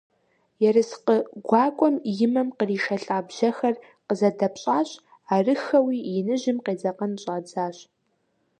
Ерыскъы гуакӀуэм и мэм къришэлӀа бжьэхэр къызэдэпщӀащ, арыххэуи иныжьым къедзэкъэн щӀадзащ.